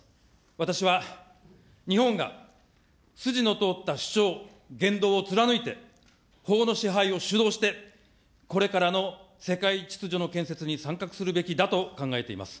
私は日本が筋の通った主張、言動を貫いて、法の支配を主導して、これからの世界秩序の建設に参画するべきだと考えています。